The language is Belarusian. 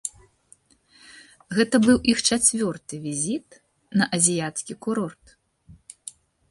Гэта быў іх чацвёрты візіт на азіяцкі курорт.